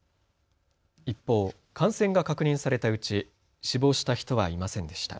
一方、感染が確認されたうち死亡した人はいませんでした。